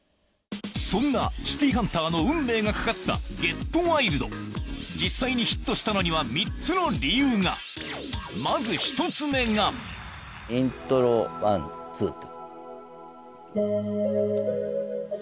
そんな『シティーハンター』の運命が懸かった『ＧｅｔＷｉｌｄ』実際にヒットしたのには３つの理由がまず１つ目がイントロ１２と。